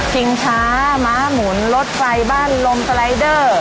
ชิงช้าม้าหมุนรถไฟบ้านลมสไลเดอร์